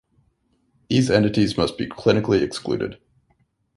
These entities must be clinically excluded.